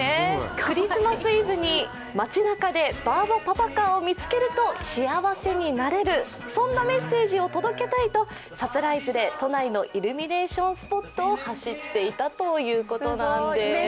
クリスマスイヴに街なかでバーバパパカーを見つけると幸せになれるそんなメッセージを届けたいとサプライズで都内のイルミネーションスポットを走っていたということなんです。